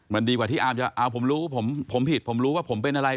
มันดีกว่าที่อาร์มจะเอาผมรู้ผมผิดผมรู้ว่าผมเป็นอะไร